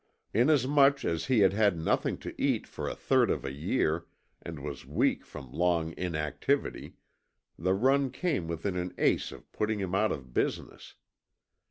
Inasmuch as he had had nothing to eat for a third of a year, and was weak from long inactivity, the run came within an ace of putting him out of business.